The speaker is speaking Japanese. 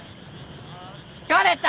ん疲れた！